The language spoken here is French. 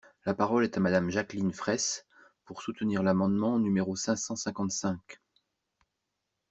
La parole est à Madame Jacqueline Fraysse, pour soutenir l’amendement numéro cinq cent cinquante-cinq.